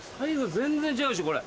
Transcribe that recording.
全然違うしこれ。